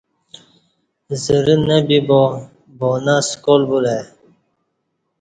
زرہ نہ بِبا بانہ سکال بُلہ ای